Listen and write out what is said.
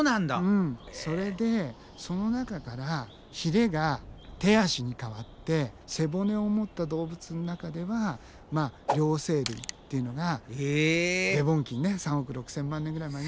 うんそれでその中からヒレが手足に変わって背骨を持った動物の中では両生類っていうのがデボン紀にね３億６，０００万年ぐらい前に。